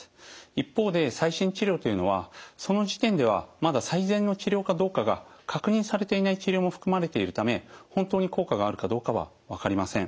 一方で最新治療というのはその時点ではまだ最善の治療かどうかが確認されていない治療も含まれているため本当に効果があるかどうかは分かりません。